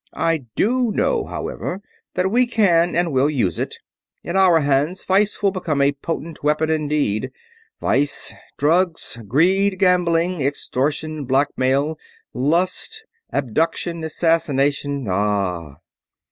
I do know, however, that we can and will use it. In our hands, vice will become a potent weapon indeed. Vice ... drugs ... greed ... gambling ... extortion ... blackmail ... lust ... abduction ... assassination ... ah h h!"